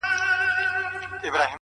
اوس دي لا د حسن مرحله راغلې نه ده”